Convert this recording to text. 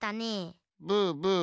ブーブー。